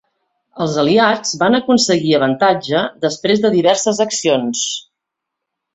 Els aliats van aconseguir avantatge després de diverses accions.